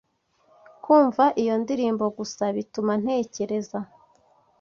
Kumva iyo ndirimbo gusa bituma ntekereza